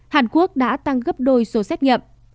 hàn quốc đã tăng gấp đôi số xét nghiệm